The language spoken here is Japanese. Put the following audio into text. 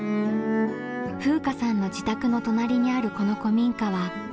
風夏さんの自宅の隣にあるこの古民家は築２００年。